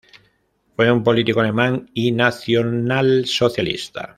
Fue un político alemán y nacionalsocialista.